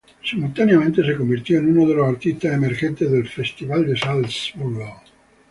Simultáneamente se convirtió en uno de los artistas emergentes del Festival de Salzburgo.